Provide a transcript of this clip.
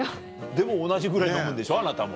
でも同じぐらい飲むんでしょあなたも。